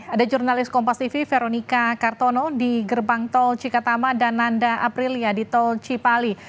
ada jurnalis kompas tv veronica kartono di gerbang tol cikatama dan nanda aprilia di tol cipali